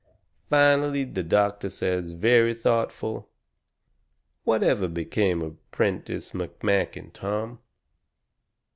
Finally the doctor says very thoughtful: "Whatever became of Prentiss McMakin, Tom?"